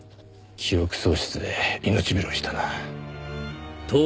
記憶喪失で命拾いしたな。